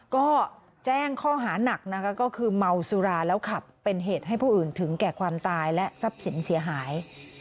ก็แจ้งข้อหานักนะคะก็คือเมาสุราแล้วขับเป็นเหตุให้ผู้อื่นถึงแก่ความตายและทรัพย์สินเสียหาย